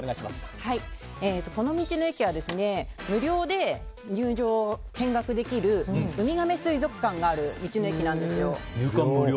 この道の駅は無料で入場、見学できるウミガメ水族館がある道の駅なんですよ。